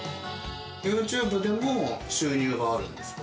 ユーチューブでも収入があるんですか？